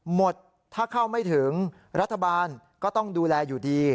หมดถ้าเข้าไม่ถึงรัฐบาลก็ต้องดูแลอยู่ดี